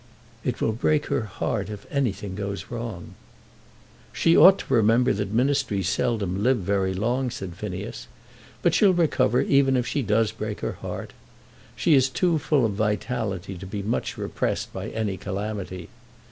"It will break her heart if anything goes wrong." "She ought to remember that Ministries seldom live very long," said Phineas. "But she'll recover even if she does break her heart. She is too full of vitality to be much repressed by any calamity.